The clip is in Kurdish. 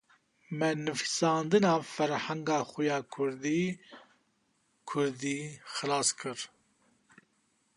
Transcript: Me nivîsandina ferhenga xwe ya kurdî-kurdî xilas kir